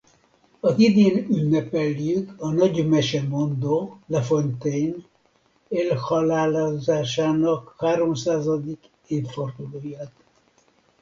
Az idén ünnepeljük a nagy mesemondó, La Fontaine elhalálozásának háromszázadik évfordulóját.